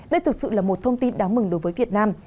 đây thực sự là một thông tin đáng mừng đối với việt nam